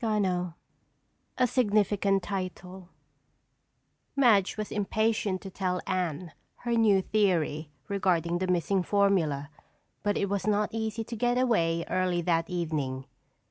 CHAPTER IX A Significant Title Madge was impatient to tell Anne her new theory regarding the missing formula but it was not easy to get away early that evening.